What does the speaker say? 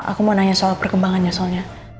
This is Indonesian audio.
aku mau nanya soal perkembangannya soalnya